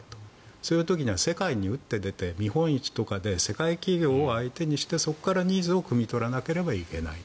そういう時には世界に打って出て見本市とかで世界企業を相手にしてそこからニーズをくみ取らないといけないと。